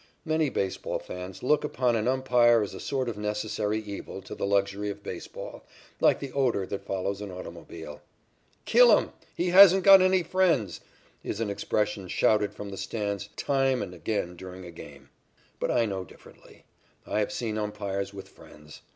Many baseball fans look upon an umpire as a sort of necessary evil to the luxury of baseball, like the odor that follows an automobile. "Kill him! He hasn't got any friends!" is an expression shouted from the stands time and again during a game. But I know differently. I have seen umpires with friends.